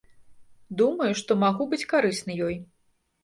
Думаю, што магу быць карысны ёй.